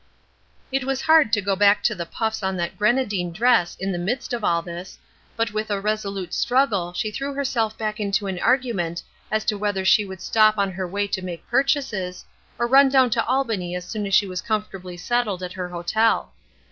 It was hard to go back to the puffs on that grenadine dress in the midst of all this, but with a resolute struggle she threw herself back into an argument as to whether she would stop on her way to make purchases, or run down to Albany as soon as she was comfortably settled at her hotel.